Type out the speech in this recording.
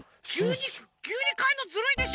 きゅうにかえんのずるいでしょ？